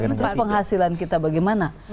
untuk penghasilan kita bagaimana